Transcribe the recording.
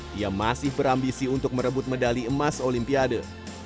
dia masih berambisi untuk merebut medali emas olimpiade